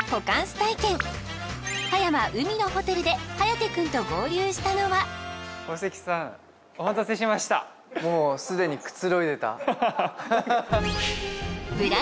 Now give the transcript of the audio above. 体験葉山うみのホテルで颯くんと合流したのは小関さんお待たせしましたもうすでにくつろいでたはははっ